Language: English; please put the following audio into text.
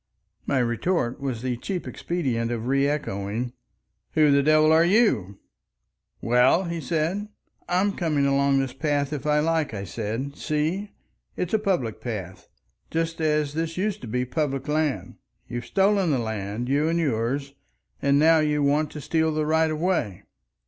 My retort was the cheap expedient of re echoing, "Who the devil are you?" "Well," he said. "I'm coming along this path if I like," I said. "See? It's a public path—just as this used to be public land. You've stolen the land—you and yours, and now you want to steal the right of way.